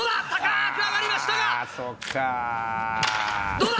どうだ？